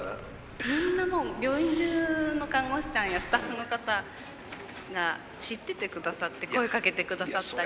みんなもう病院中の看護師さんやスタッフの方が知っててくださって声かけてくださったり。